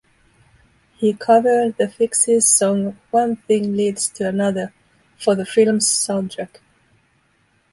He covered The Fixx's song "One Thing Leads to Another" for the film's soundtrack.